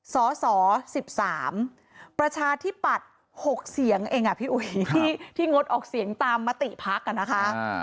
สส๑๓ประชาธิปัตย์๖เสียงเองพี่อุ๋ยที่งดออกเสียงตามมติพักนะคะ